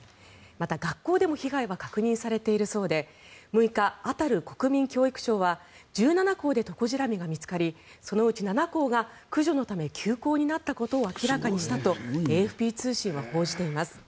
また、学校でも被害は確認されているそうで６日、アタル国民教育相は１７校でトコジラミが見つかりそのうち７校が駆除のため休校になったことを明らかにしたとＡＦＰ通信は報じています。